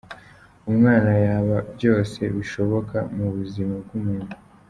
Umwana yaba byose bishoboka mu buzima bw’umuntu.